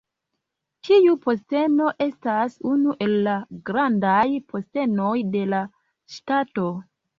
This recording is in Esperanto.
Tiu posteno estas unu el la Grandaj Postenoj de la Ŝtato.